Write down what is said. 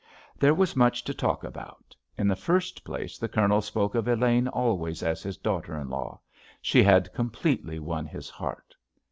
There was much to talk about. In the first place the Colonel spoke of Elaine always as his daughter in law. She had completely won his heart.